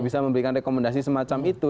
bisa memberikan rekomendasi semacam itu